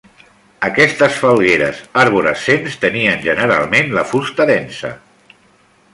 Aquestes falgueres arborescents tenien generalment la fusta densa.